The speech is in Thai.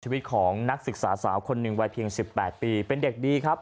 ชีวิตของนักศึกษาสาวคนหนึ่งวัยเพียง๑๘ปีเป็นเด็กดีครับ